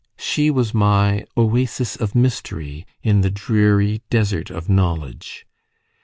She was my oasis of mystery in the dreary desert of knowledge.